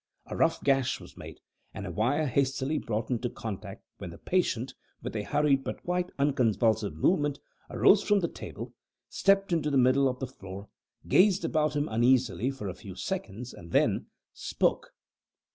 A rough gash was made, and a wire hastily brought in contact, when the patient, with a hurried but quite unconvulsive movement, arose from the table, stepped into the middle of the floor, gazed about him uneasily for a few seconds, and then spoke.